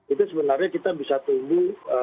itu sebenarnya kita bisa tunggu